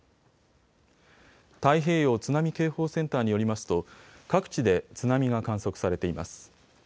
太平洋津波警報センターによりますと各地で津波が観測されています。